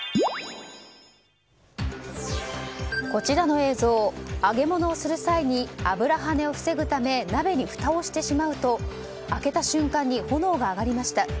こちらの映像揚げ物をする際に油はねを防ぐため鍋にふたをしてしまうと開けた瞬間に炎が上がりました。